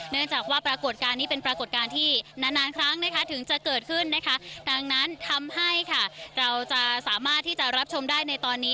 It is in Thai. เนื่องจากว่าปรากฏการณ์นี้เป็นปรากฏการณ์ที่นานนานครั้งนะคะถึงจะเกิดขึ้นนะคะดังนั้นทำให้ค่ะเราจะสามารถที่จะรับชมได้ในตอนนี้